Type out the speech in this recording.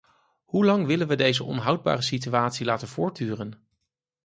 Hoelang willen we deze onhoudbare situatie laten voortduren?